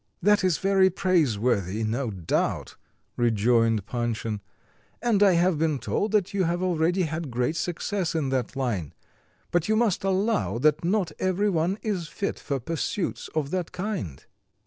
"That is very praiseworthy, no doubt," rejoined Panshin, "and I have been told that you have already had great success in that line; but you must allow that not every one is fit for pursuits of that kind."